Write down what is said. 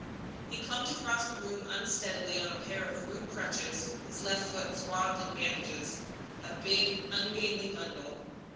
He clumped across the room unsteadily on a pair of rude crutches, his left foot swathed in bandages a big, ungainly bundle.